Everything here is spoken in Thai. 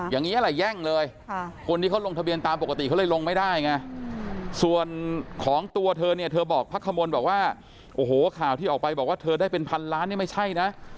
อย่างนี้แหละแย่งเลยคนที่เขาลงทะเบียนตามปกติเขาเลยลงไม่ได้ไงส่วนของตัวเธอเนี่ยเธอบอกพักขมลบอกว่าโอ้โหข่าวที่ออกไปบอกว่าเธอได้เป็นพันล้านเนี่ยไม่ใช่นะ